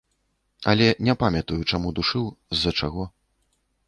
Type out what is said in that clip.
Але не памятаю, чаму душыў, з-за чаго.